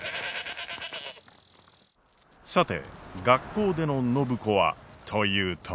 さて学校での暢子はというと。